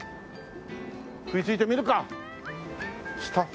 食いついてみるか。